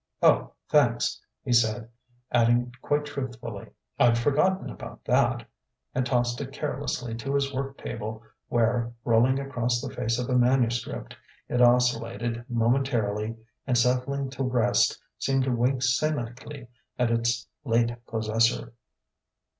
"O thanks!" he said, adding quite truthfully: "I'd forgotten about that"; and tossed it carelessly to his work table where, rolling across the face of a manuscript, it oscillated momentarily and settling to rest, seemed to wink cynically at its late possessor.